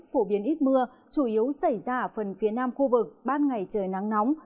phổ biến ít mưa chủ yếu xảy ra ở phần phía nam khu vực ban ngày trời nắng nóng